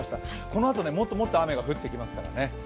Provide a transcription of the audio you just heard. このあと、もっともっと雨が降ってきますからね。